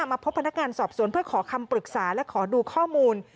มาพบพนักงานสอบสวนเพื่อขอคำปรึกษาและขอดูข้อมูล